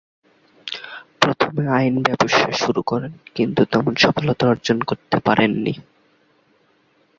প্রথমে আইন ব্যবসা শুরু করেন, কিন্তু তেমন সফলতা অর্জন করতে পারেন নি।